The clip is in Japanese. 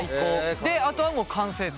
であとはもう完成と。